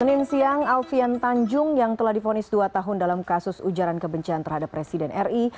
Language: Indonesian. senin siang alfian tanjung yang telah difonis dua tahun dalam kasus ujaran kebencian terhadap presiden ri